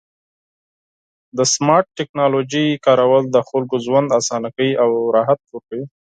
د سمارټ ټکنالوژۍ کارول د خلکو ژوند اسانه کوي او راحت ورکوي.